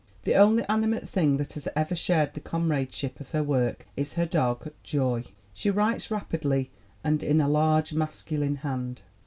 The only animate thing that has ever shared the com radeship of her work is her dog, Joy. She writes rapidly and in a large, masculine hand."